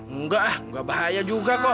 enggak enggak bahaya juga kok